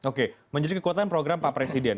oke menjadi kekuatan program pak presiden